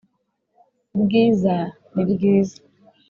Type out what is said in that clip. ubwiza ni bwiza